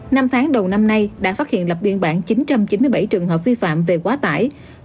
năm tháng đầu năm nay đã phát hiện lập biên bản chín trăm chín mươi bảy trường hợp vi phạm về quá tải